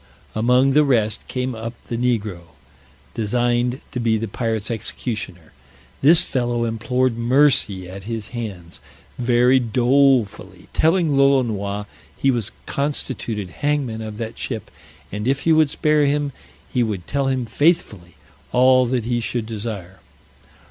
Among the rest came up the negro, designed to be the pirates' executioner; this fellow implored mercy at his hands very dolefully, telling Lolonois he was constituted hangman of that ship, and if he would spare him, he would tell him faithfully all that he should desire.